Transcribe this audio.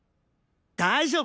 大丈夫！